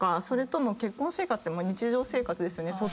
それとも結婚生活って日常生活ですよね。